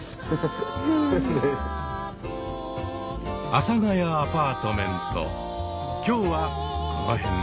「阿佐ヶ谷アパートメント」今日はこのへんで。